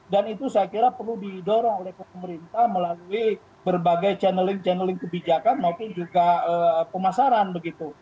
dan itu saya kira perlu didorong oleh pemerintah melalui berbagai channeling channeling kebijakan maupun juga pemasaran begitu